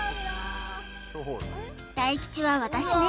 大吉は私ね